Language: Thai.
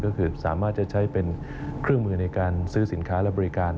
ก็คือสามารถจะใช้เป็นเครื่องมือในการซื้อสินค้าและบริการ